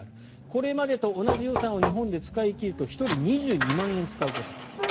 これまでと同じ予算を日本で使い切ると１人２２万円使うことになると。